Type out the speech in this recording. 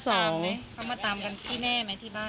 เขามาตามกันที่แม่ไหมที่บ้าน